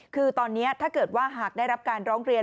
คือตอนนี้ถ้าเกิดว่าหากได้รับการร้องเรียน